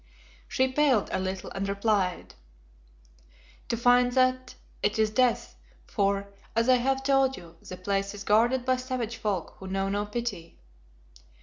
She paled a little and replied, "To find that it is death, for, as I have told you, the place is guarded by savage folk who know no pity."